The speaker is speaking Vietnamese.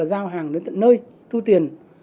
giao hàng đến tận nơi thu tiền